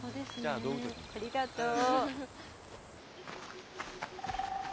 ありがとう。